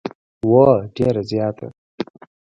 هو، ډیره زیاته